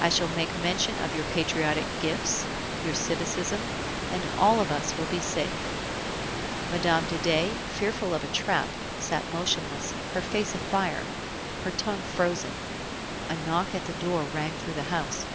I shall make mention of your patriotic gifts, your civism, and all of us will be safe." Mme. de Dey, fearful of a trap, sat motionless, her face afire, her tongue frozen. A knock at the door rang through the house.